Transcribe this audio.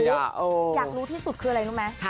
อยากรู้ที่สุดคืออะไรรู้ไหม